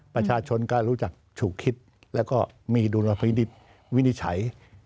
ประชาชนก็รู้จักถูกคิดแล้วก็มีดุลพินิษฐ์วินิจฉัย